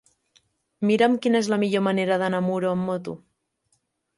Mira'm quina és la millor manera d'anar a Muro amb moto.